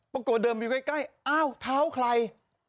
พวกเขาเดินไปอยู่ใกล้ฮ้าวเท้าใคร